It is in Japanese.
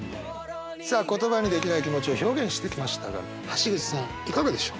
さあ言葉にできない気持ちを表現してきましたが橋口さんいかがでしょう？